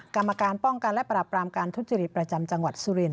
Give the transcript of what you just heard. กรรมการป้องกันและปรับปรามการทุจริตประจำจังหวัดสุรินท